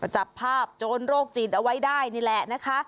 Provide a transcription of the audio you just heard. จับภาพโจรโรคจิตเอาไว้ได้นี่แหละนะคะ